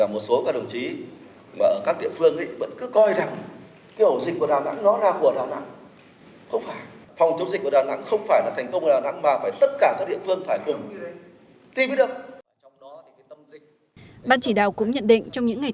một số địa phương đã ghi nhận các trường hợp mắc covid một mươi chín trở về từ đà nẵng như hà nội lạng sơn bắc giang